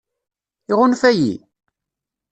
Iɣunfa-yi?